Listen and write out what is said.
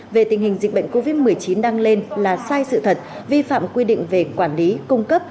về tình hình dịch bệnh covid một mươi chín đang lên là sai sự thật vi phạm quy định về quản lý cung cấp